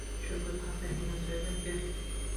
Shu gul haqda menga soʻylab ber.